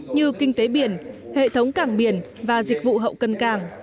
như kinh tế biển hệ thống cảng biển và dịch vụ hậu cân cảng